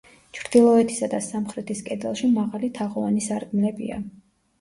ჩრდილოეთისა და სამხრეთის კედელში მაღალი თაღოვანი სარკმლებია.